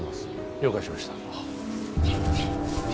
了解しました